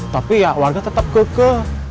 tapi ya warga tetap ge ge